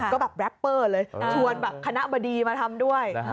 ก็แบบแร็ปเปอร์เลยชวนแบบคณะบดีมาทำด้วย